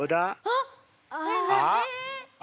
あっ！